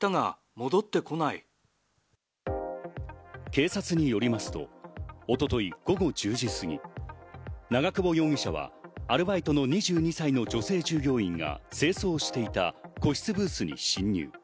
警察によりますと一昨日午後１０時すぎ、長久保容疑者はアルバイトの２２歳の女性従業員が清掃していた個室ブースに侵入。